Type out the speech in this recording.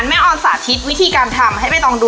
มีอะไรคะ